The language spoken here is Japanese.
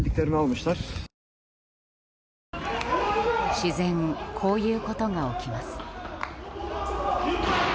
自然こういうことが起きます。